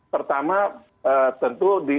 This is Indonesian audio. pertama tentu di